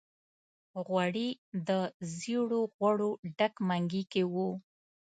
غوړي له زېړو غوړو ډک منګي کې وو.